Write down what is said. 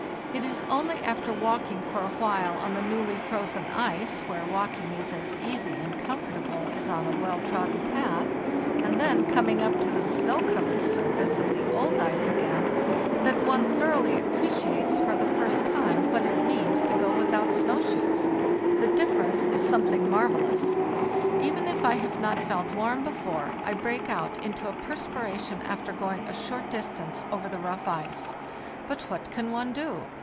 It is only after walk ing for a while on the newly frozen ice, where walking is as easy and comfortable as on a well trodden path, and then coming up to the snow covered surface of the old ice again, that one thoroughly appreciates for the first time what it means to go without snow shoes; the difference is something marvellous. Even if I have not felt warm before, I break out into a perspiration after going a short distance over the rough ice. But what can one do?